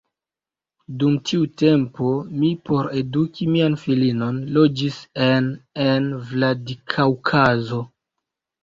Dum tiu tempo mi por eduki mian filinon loĝis en en Vladikaŭkazo.